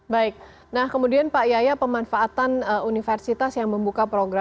baik nah kemudian pak yaya pemanfaatan universitas yang membuka program